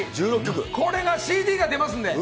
これがＣＤが出ますんで。